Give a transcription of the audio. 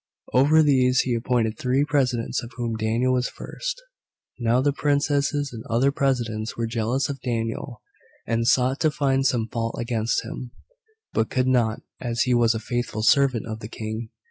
Over these he appointed three presidents, of whom Daniel was first. Now the princes and other presidents were jealous of Daniel, and sought to find some fault against him; but could not, as he was a faithful servant of the King.